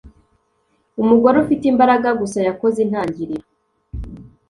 Umugore ufite imbaraga gusa yakoze intangiriro